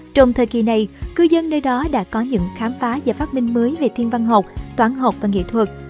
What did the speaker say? trong thời kỳ này cư dân nơi đó đã có những khám phá và phát minh mới về thiên văn học toán học và nghệ thuật